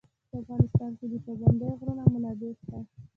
په افغانستان کې د پابندی غرونه منابع شته.